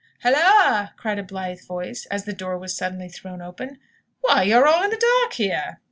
"Hulloa!" cried a blithe voice, as the door was suddenly thrown open. "Why, you're all in the dark here!"